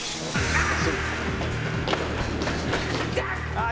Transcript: あっ！